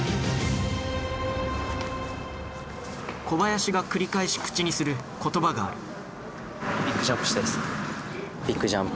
小林が繰り返し口にする言葉がある。